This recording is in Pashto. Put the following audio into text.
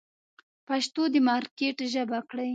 پښتو د مارکېټ ژبه کړئ.